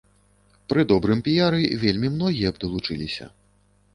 Пры добрым піяры вельмі многія б далучыліся.